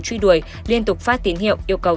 truy đuổi liên tục phát tín hiệu yêu cầu